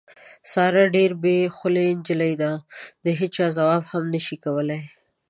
ساره ډېره بې خولې نجیلۍ ده، د هېچا ځواب هم نشي کولی.